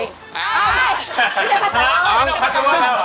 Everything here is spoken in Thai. อ๋อไม่ไม่ใช่พัตตาเวิร์ด